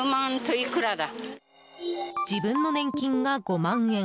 自分の年金が５万円